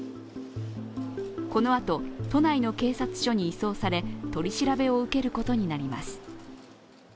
このあと都内の警察署に移送され取り調べを受けることになります。